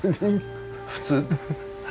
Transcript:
普通？